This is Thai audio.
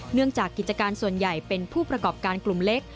เนื่องจากกิจการส่วนใหญ่เป็นผู้ประกอบการกลุ่มเล็ก